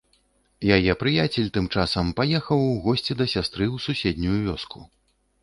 Яе прыяцель тым часам паехаў у госці да сястры ў суседнюю вёску.